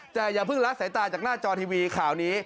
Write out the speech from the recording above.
แต่อย่าเพิ่งละสายตาจากหน้าจอทีวีข่าวนี้